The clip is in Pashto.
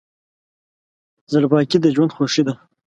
زړه پاکي د ژوند خوښي ده.